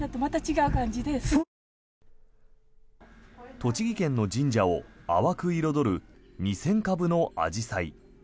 栃木県の神社を淡く彩る２０００株のアジサイ。